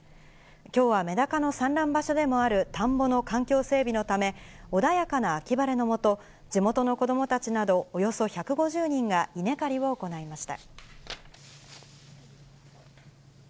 きょうはメダカの産卵場所でもある田んぼの環境整備のため、穏やかな秋晴れの下、地元の子どもたちなどおよそ１５０人が、稲刈りを行いました。